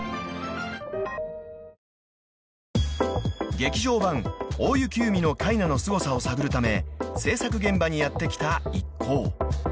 ［劇場版『大雪海のカイナ』のすごさを探るため制作現場にやって来た一行］